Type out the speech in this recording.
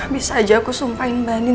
bisa aja aku sumpahin mbak andin